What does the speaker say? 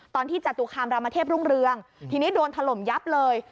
ตอนที่จตุคามรามเทพรุ่งเรืองทีนี้โดนถล่มยับเลย